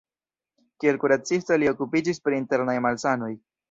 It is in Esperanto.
Kiel kuracisto li okupiĝis pri internaj malsanoj.